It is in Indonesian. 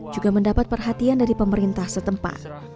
juga mendapat perhatian dari pemerintahnya